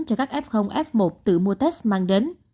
cho các f f một tự mua test mang đến